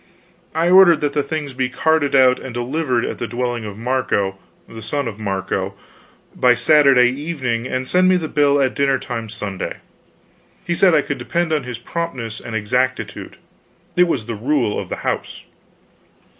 I ordered that the things be carted out and delivered at the dwelling of Marco, the son of Marco, by Saturday evening, and send me the bill at dinner time Sunday. He said I could depend upon his promptness and exactitude, it was the rule of the house.